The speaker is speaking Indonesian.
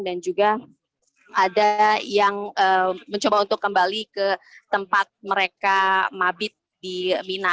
dan juga ada yang mencoba untuk kembali ke tempat mereka mabit di mina